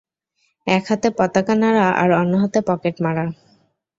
এক হাতে পতাকা নাড়া আর অন্য হাতে পকেট মারা।